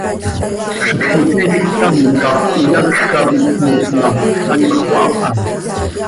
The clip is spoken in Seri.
Zixquisiil ctam cap oyacj cap itníp ma, anxö xöaha.